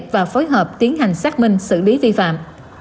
và phối hợp tiến hành xác minh xử lý vi phạm